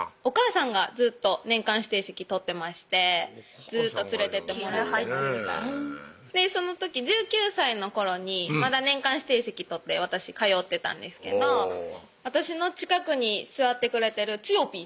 お母さんがずっと年間指定席取ってましてずっと連れてってもらってましたその時１９歳の頃にまだ年間指定席取って私通ってたんですけど私の近くに座ってくれてるつよ